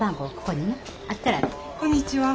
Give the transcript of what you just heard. こんにちは。